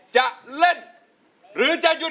มาฟังอินโทรเพลงที่๑๐